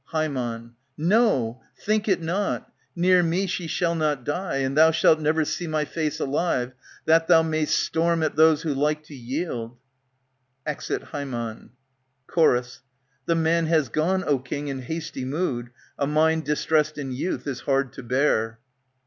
Ham, No ! Think it not ! Near me she shall not die, And thou shalt never see my face alive, That thou may'st storm at those who like to yield. [^Exit, Chor, The man has gone, O king, in hasty mood. A mind distressed in youth is hard to bear.